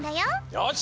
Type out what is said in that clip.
よし！